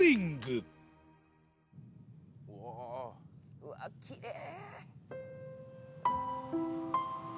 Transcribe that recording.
うわっきれい！